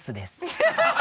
ハハハハ！